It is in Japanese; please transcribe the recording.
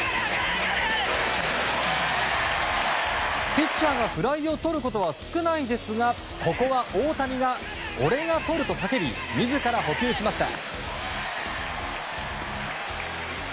ピッチャーがフライをとることは少ないですがここは大谷が、俺がとる！と叫び自ら捕球しました。